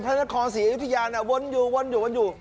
พระนักควรศรีเอพยาเนอะวนอยู่วนอยู่วนอยู่